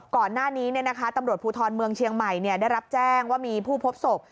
ก่อนหน้านี้ตำรวจภูทรเมืองเชียงใหม่ได้รับแจ้งว่ามีผู้พบศพ